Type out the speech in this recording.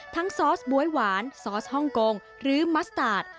ซอสบ๊วยหวานซอสฮ่องกงหรือมัสตาร์ท